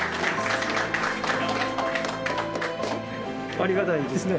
ありがたいですね。